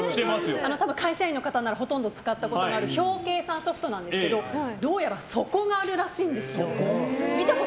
多分、会社員の方ならほとんど使ったことのある表計算ソフトなんですけどどうやら底があるらしいんです。